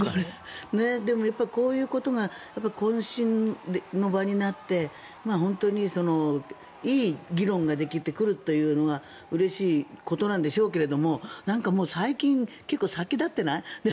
でも、こういうことが懇親の場になっていい議論ができてくるというのがうれしいことなんでしょうけども最近、結構、殺気立ってない？